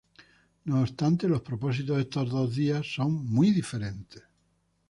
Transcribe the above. No obstante, los propósitos de estos dos días son muy diferentes.